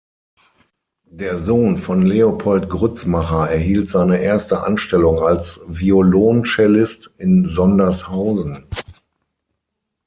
Der Sohn von Leopold Grützmacher erhielt seine erste Anstellung als Violoncellist in Sondershausen.